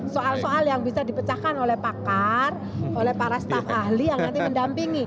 soal soal yang bisa dipecahkan oleh pakar oleh para staf ahli yang nanti mendampingi